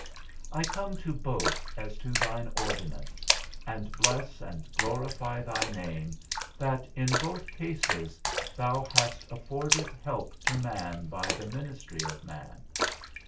I come to both as to thine ordinance, and bless and glorify thy name that, in both cases, thou hast afforded help to man by the ministry of man.